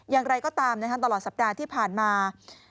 อย่างไรก็ตามตลอดสัปดาห์ที่ผ่านมา